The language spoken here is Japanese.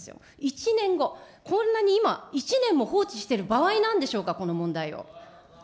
１年後、こんなに今、１年も放置してる場合なんでしょうか、この問題を。